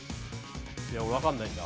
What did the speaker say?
いやわかんないんだ。